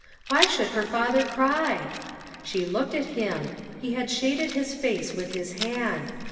Why should her father cry ? She looked at him ; he had shaded his face with his hand.